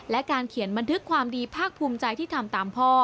และการเขียนบันทึกความดีภาคภูมิใจที่ทำตามพ่อ